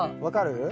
分かる？